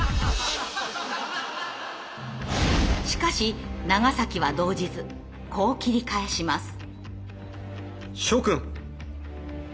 しかし長は動じずこう切り返します。